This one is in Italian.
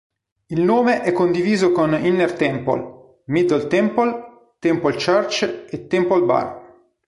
Il nome è condiviso con Inner Temple, Middle Temple, Temple Church e Temple Bar.